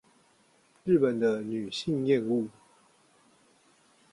日本的女性嫌惡